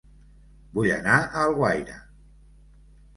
Vull anar a Alguaire